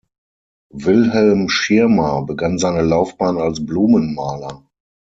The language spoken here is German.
Wilhelm Schirmer begann seine Laufbahn als Blumenmaler.